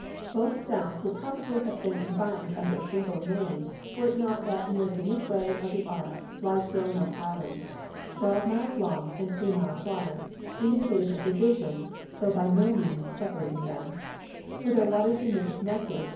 Both sounds would probably have been combined under a single name were it not that nearly midway of the arc lies Roanoke Island, twelve miles long and three miles wide, indicating a division though by no means sep arating them; for their waters remain connected 1140 ABKiHAM LINCOLN cnxr. XIV.